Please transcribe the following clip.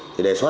thì đề xuất